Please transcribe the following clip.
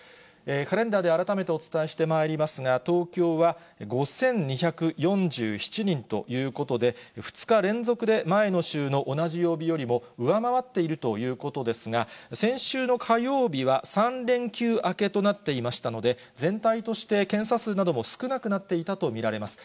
カレンダーで改めてお伝えしてまいりますが、東京は５２４７人ということで、２日連続で、前の週の同じ曜日よりも上回っているということですが、先週の火曜日は３連休明けとなっていましたので、全体として、検査数なども少なくなっていたと見られます。